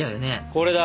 これだ！